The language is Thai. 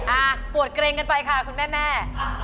ปวดเกรงกันไปค่ะคุณแม่